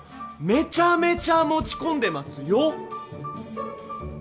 めちゃめちゃ持ち込んでますよ？